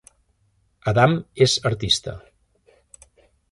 Adam és artista.